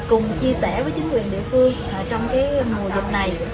cùng chia sẻ với chính quyền địa phương trong mùa dịch này